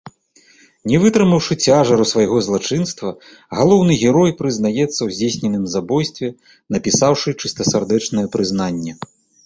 Не вытрымаўшы цяжару свайго злачынства, галоўны герой прызнаецца ў здзейсненым забойстве, напісаўшы чыстасардэчнае прызнанне.